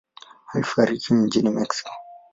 Alifariki mjini Mexico City.